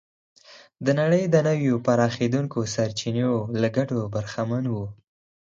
د نړۍ د نویو پراخېدونکو سرچینو له ګټو برخمن و.